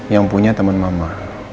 yang punya temen mama